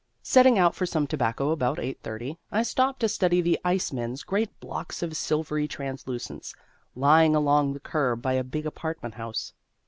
Setting out for some tobacco about 8:30, I stopped to study the ice man's great blocks of silvery translucence, lying along the curb by a big apartment house.